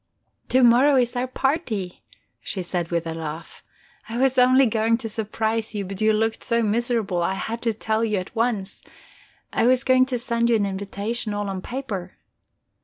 "To morrow is our party," she said with a laugh. "I was only going to surprise you, but you looked so miserable, I had to tell you at once. I was going to send you an invitation all on paper."